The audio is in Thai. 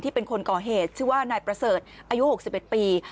เป็นคนก่อเหตุชื่อว่านายประเสริฐอายุ๖๑ปี